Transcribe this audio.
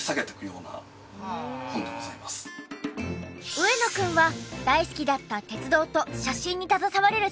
上野くんは大好きだった鉄道と写真に携われる